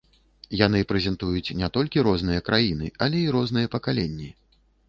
Яны прэзентуюць не толькі розныя краіны, але і розныя пакаленні.